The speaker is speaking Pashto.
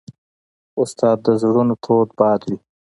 استاد د زړونو تود باد وي.